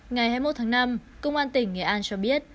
ngày hai mươi một tháng năm công an tỉnh nghệ an cho biết